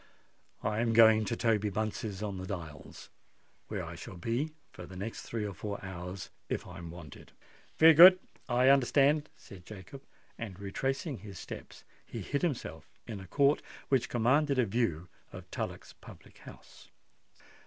"I am going to Toby Bunce's in the Dials, where I shall be for the next three or four hours if I'm wanted." "Very good—I understand," said Jacob; and retracing his steps, he hid himself in a court which commanded a view of Tullock's public house.